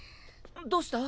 どうした？